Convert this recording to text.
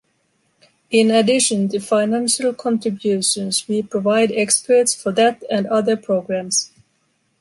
In addition to financial contributions we provide experts for that and other programs.